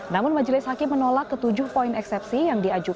namun majelis hakim menolak ketujuh poin eksepsi yang diajukan